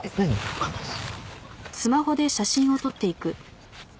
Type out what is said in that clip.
分かんないっす。